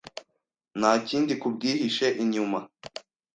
nta kindi kibwihishe inyuma,